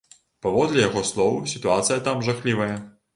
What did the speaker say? Паводле яго слоў, сітуацыя там жахлівая.